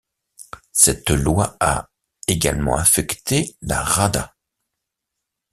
Cette loi a également affecté la Rada.